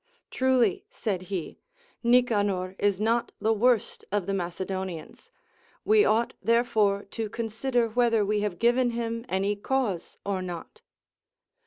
Truly, said he, Nicanor is not the worst of the Macedonians ; we ought therefore to consider whether we have given him any cause or not.